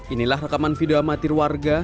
inilah rekaman video amatir warga